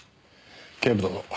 警部殿。